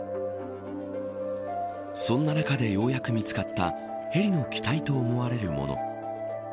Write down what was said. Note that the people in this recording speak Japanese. そんな中でようやく見つかったヘリの機体と思われるもの。